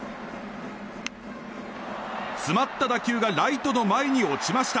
詰まった打球がライトの前に落ちました。